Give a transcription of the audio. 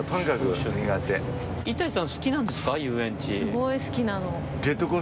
すごい好きなの。